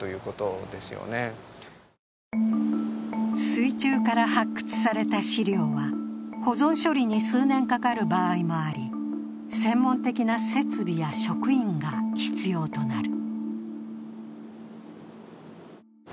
水中から発掘された史料は保存処理に数年かかる場合もあり専門的な設備や職員が必要となる。